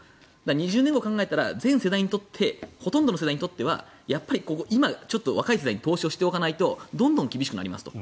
２０年後を考えたら全世代にとってはやっぱり今、ちょっと若い世代に投資しておかないとどんどん厳しくなりますと。